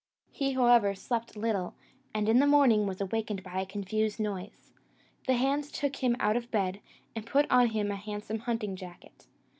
He, however, slept little, and in the morning was awakened by a confused noise. The hands took him out of bed, and put on him a handsome hunting jacket.